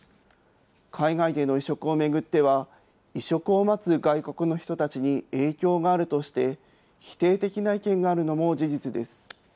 海外での移植を巡っては、移植を待つ外国の人たちに影響があるとして、否定的な意見があるのも事実です。